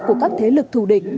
của các thế lực thù địch